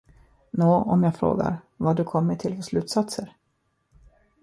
Nå, om jag frågar, vad du kommit till för slutsatser?